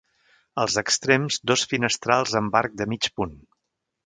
Als extrems, dos finestrals amb arc de mig punt.